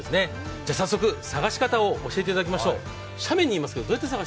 では早速探し方を教えていただきましょう。